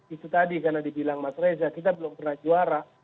itu tadi karena dibilang mas reza kita belum pernah juara